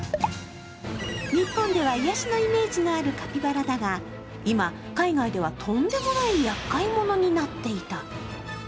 日本では癒やしのイメージのあるカピバラだが今、海外ではとんでもない、やっかい者になっていた。